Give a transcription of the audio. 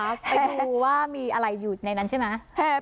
ไปดูว่ามีอะไรอยู่ในนั้นใช่ไหม